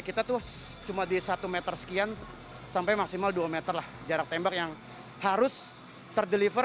kita tuh cuma di satu meter sekian sampai maksimal dua meter lah jarak tembak yang harus terdeliver